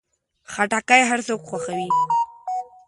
خټکی هر څوک خوښوي.